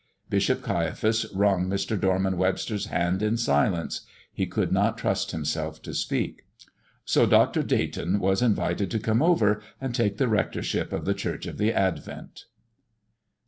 Bishop Caiaphas wrung Mr. Dorman Webster's hand in silence he could not trust himself to speak. So Dr. Dayton was invited to come over and take the rectorship of the Church of the Advent.